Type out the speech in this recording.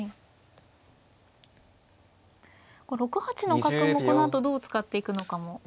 ６八の角もこのあとどう使っていくのかも。